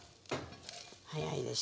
早いでしょ？